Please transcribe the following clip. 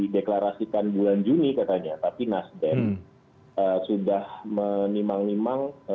deklarasikan bulan juni katanya tapi nasdem sudah menimang nimang